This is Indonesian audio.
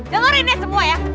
dengarin ya semua ya